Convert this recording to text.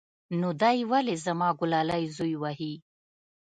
نو دى ولې زما گلالى زوى وهي.